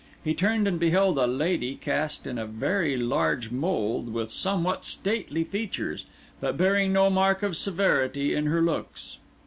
He turned and beheld a lady cast in a very large mould and with somewhat stately features, but bearing no mark of severity in her looks.